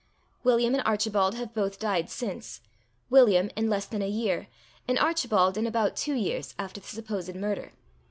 William and Archibald have both died since—William in less than a year, and Archibald in about two years after the supposed murder.